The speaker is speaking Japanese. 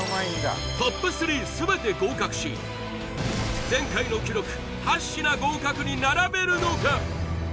ＴＯＰ３すべて合格し前回の記録８品合格に並べるのか？